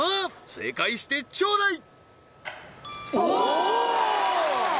正解してちょうだいおおー！